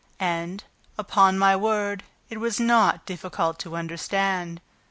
And, upon my word, it was not difficult to understand.